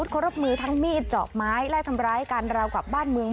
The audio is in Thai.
ครบมือทั้งมีดเจาะไม้ไล่ทำร้ายกันราวกับบ้านเมือง